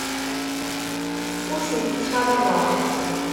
Ur tent-ttxalaḍeɣ.